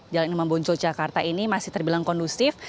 jalan yang memboncol jakarta ini masih terbilang kondusif